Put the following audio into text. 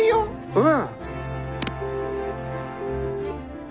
うん。